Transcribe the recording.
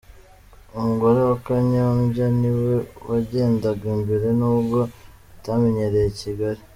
Umugore wa Kanyombya ni we wagendaga imbere n'ubwo atamenyereye Kigali.